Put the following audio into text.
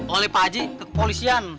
oleh pak haji kepolisian